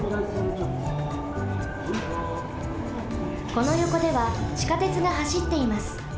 このよこではちかてつがはしっています。